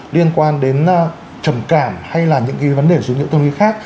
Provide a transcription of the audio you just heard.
liên quan đến trầm cảm hay là những cái vấn đề dấu nhiễu tâm lý khác